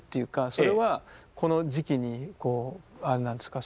それはこの時期にこうあれなんですか？